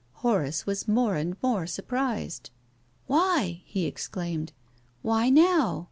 Horace was more and more surprised. "Why?" he exclaimed. "Why now?